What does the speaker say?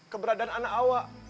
keberadaan anak kau